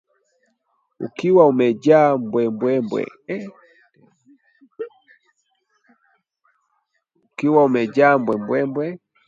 ukiwa umejaa mbwembwe